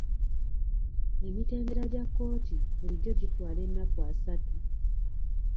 Emitendera gya kkooti bulijjo gitwala ennaku asatu.